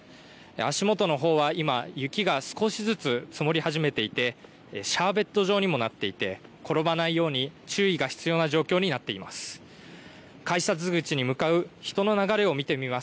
足元のほうは今、雪が少しずつ積もり始めていてシャーベット状にもなっていて転ばないように注意が必要な状況になっています。